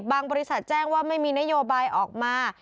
บริษัทแจ้งว่าไม่มีนโยบายออกมา